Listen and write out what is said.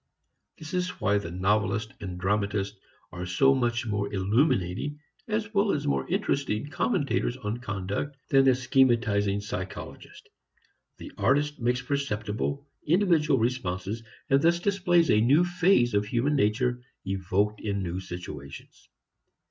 This is why the novelist and dramatist are so much more illuminating as well as more interesting commentators on conduct than the schematizing psychologist. The artist makes perceptible individual responses and thus displays a new phase of human nature evoked in new situations.